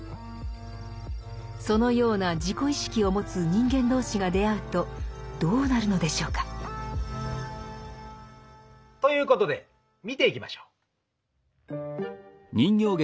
そのような自己意識を持つ人間同士が出会うとどうなるのでしょうか？ということで見ていきましょう。